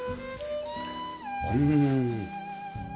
うん。